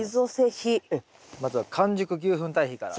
まずは完熟牛ふん堆肥から。